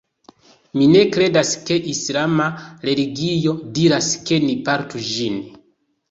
Mi ne kredas ke islama religio diras ke ni portu ĝin.